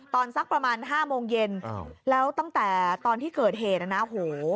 สักประมาณห้าโมงเย็นแล้วตั้งแต่ตอนที่เกิดเหตุนะโห